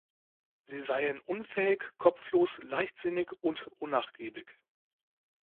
Sie seien unfähig, kopflos, leichtsinnig und unnachgiebig.